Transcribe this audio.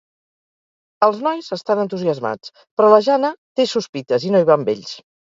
Els nois estan entusiasmats, però la Jane té sospites i no hi va amb ells.